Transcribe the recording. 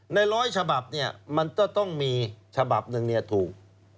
ในร้อยฉบับเนี่ยมันก็ต้องมีฉบับหนึ่งถูก